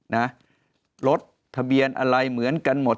นะรถทะเบียนอะไรเหมือนกันหมด